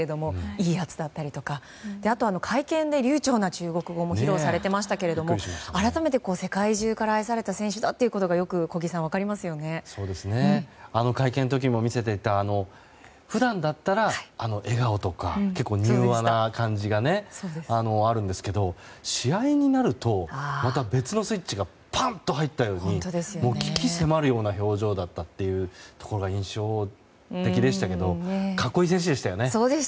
いいやつだったりとかあと会見で流暢な中国語も披露されていましたけれども改めて、世界中から愛された選手ということがあの会見の時も見せていた普段だったらあの笑顔とか結構、柔和な感じがあるんですが試合になるとまた別のスイッチがパンと入ったように鬼気迫るような表情だったのが印象的でしたけど格好いい選手でしたよね。